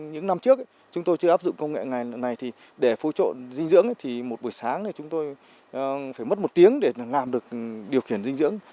những năm trước chúng tôi chưa áp dụng công nghệ này thì để phụ trộn dinh dưỡng thì một buổi sáng chúng tôi phải mất một tiếng để làm được điều khiển dinh dưỡng